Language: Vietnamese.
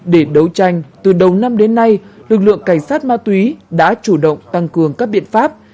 để đấu tranh từ đầu năm đến nay lực lượng cảnh sát ma túy đã chủ động tăng cường các biện pháp